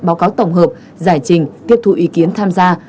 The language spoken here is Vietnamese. báo cáo tổng hợp giải trình tiếp thu ý kiến tham gia